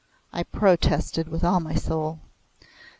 I protested with all my soul.